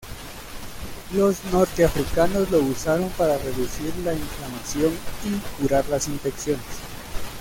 Los norteafricanos lo usaron para reducir la inflamación y curar las infecciones.